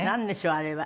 あれは。